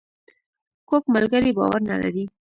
کوږ ملګری باور نه لري